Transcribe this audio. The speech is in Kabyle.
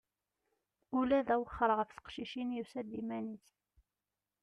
Ula d awexxer ɣef teqcicin yusa-d iman-is.